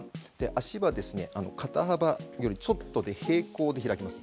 足はですね肩幅よりちょっと平行に開きます。